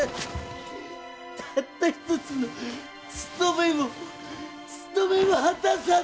たった一つのつとめもつとめも果たさんと！